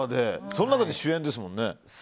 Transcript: その中で主演ですもんね。